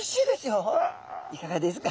いかがですか？